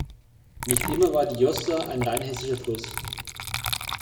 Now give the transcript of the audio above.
Nicht immer war die Jossa ein rein hessischer Fluss.